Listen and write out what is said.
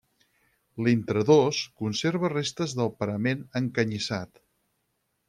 L'intradós conserva restes del parament encanyissat.